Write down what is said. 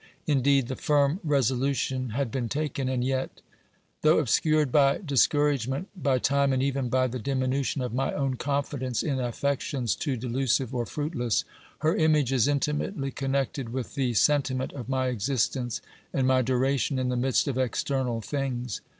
Indeed the firm resolution had been taken, and yet. ... Though obscured by dis couragement, by time and even by the diminution of my own confidence in affections too delusive or fruitless, her image is intimately connected with the sentiment of my existence and my duration in the midst of external things.